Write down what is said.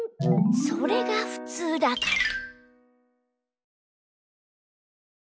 それがふつうだから。